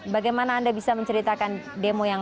bagaimana anda bisa menceritakan demo yang